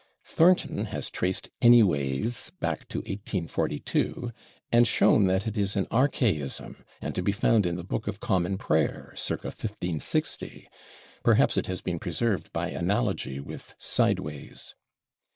Thornton has traced /anyways/ back to 1842 and shown that it is an archaism, and to be found in the Book of Common Prayer (/circa/ 1560); perhaps it has been preserved by analogy with /sideways